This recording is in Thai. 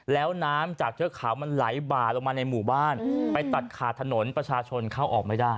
แล้วน้ำจากเทือกเขามันไหลบ่าลงมาในหมู่บ้านไปตัดขาดถนนประชาชนเข้าออกไม่ได้